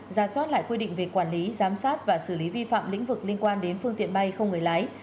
ra soát lại quy định về quản lý giám sát và xử lý vi phạm lĩnh vực liên quan đến phương tiện bay không người lái